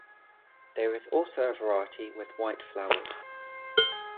There is also a variety with white flowers.